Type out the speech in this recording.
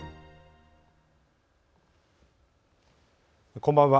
こんばんは。